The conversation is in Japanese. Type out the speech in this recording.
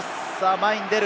前に出る。